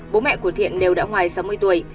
bố mẹ của thiện đều đã ngoài sáu mươi tuổi